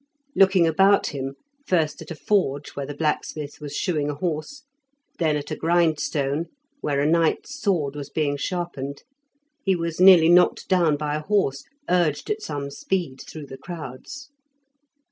Looking about him, first at a forge where the blacksmith was shoeing a horse, then at a grindstone, where a knight's sword was being sharpened, he was nearly knocked down by a horse, urged at some speed through the crowds.